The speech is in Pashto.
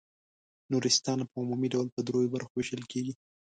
نورستان په عمومي ډول په دریو برخو وېشل کیږي.